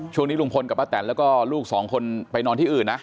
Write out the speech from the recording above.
ช่วงนี้ลุงพลกับป้าแตนแล้วก็ลูกสองคนไปนอนที่อื่นนะ